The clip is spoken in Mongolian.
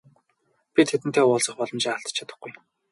Би тэдэнтэй уулзах боломжоо алдаж чадахгүй.